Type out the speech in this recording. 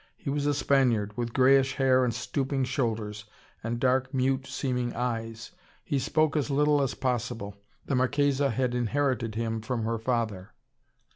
He was a Spaniard, with greyish hair and stooping shoulders, and dark, mute seeming eyes. He spoke as little as possible. The Marchesa had inherited him from her father.